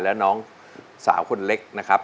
แล้วน้องสาวคนเล็กนะครับ